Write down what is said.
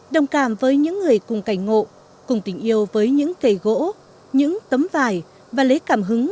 đồng cảm với những người cùng cảnh ngộ cùng tình yêu với những cây gỗ những tấm vải và lấy cảm hứng